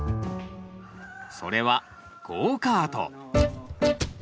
それはゴーカート。